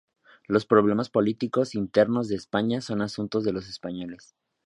Los problemas políticos internos de España son asuntos de los españoles.